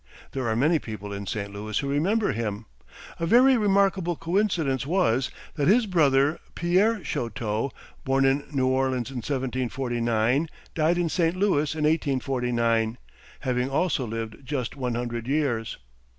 There are many people in St. Louis who remember him. A very remarkable coincidence was, that his brother, Pierre Chouteau, born in New Orleans in 1749, died in St. Louis in 1849, having also lived just one hundred years.